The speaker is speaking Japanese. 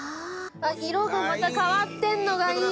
色がまた変わってんのがいい！